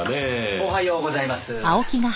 おはようございます。